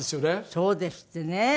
そうですってね。